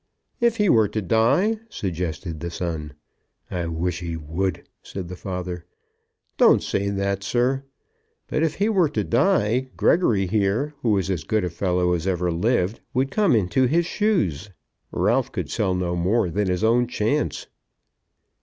"If he were to die?" suggested the son. "I wish he would," said the father. "Don't say that, sir. But if he were to die, Gregory here, who is as good a fellow as ever lived, would come into his shoes. Ralph could sell no more than his own chance."